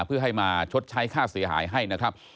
เพื่อให้มาชดใช้ค่าเสียหายให้นะครับ